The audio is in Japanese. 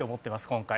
今回。